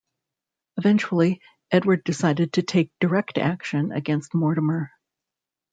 Eventually, Edward decided to take direct action against Mortimer.